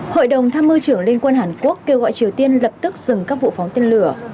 hội đồng tham mưu trưởng liên quân hàn quốc kêu gọi triều tiên lập tức dừng các vụ phóng tên lửa